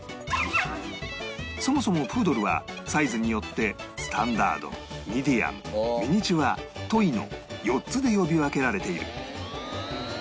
そもそもプードルはサイズによってスタンダードミディアムミニチュアトイの４つで呼び分けられている